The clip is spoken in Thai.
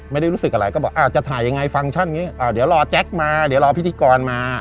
ไม่ได้รู้สึกอะไรก็บอกจะถ่ายยังไงฟังก์อย่างนี้เดี๋ยวรอแจ๊คมาเดี๋ยวรอพิธีกรมา